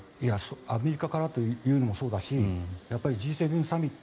アメリカからというのもそうだしやっぱりＧ７サミット